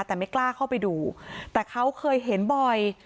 แต่ไม่กล้าเข้าไปดูแต่เขาเคยเห็นบ่อย